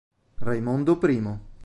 Raimondo I